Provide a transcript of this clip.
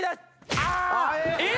あっ！